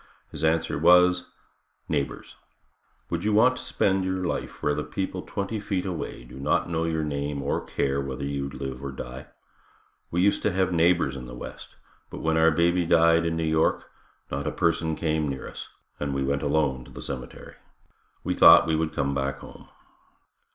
His answer was. "Neighbors. Would you want to spend your life where the people twenty feet away do not know your name or care whether you live or die? We used to have neighbors in the west, but when our baby died in New York, not a person came near us, and we went alone to the cemetery. We thought we would come back home."